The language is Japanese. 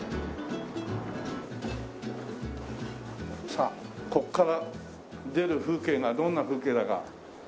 さあここから出る風景がどんな風景だか。